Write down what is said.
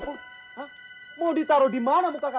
lo yang kayaknya beda bay